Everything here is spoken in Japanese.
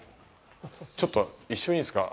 ちょっと一瞬、いいですか。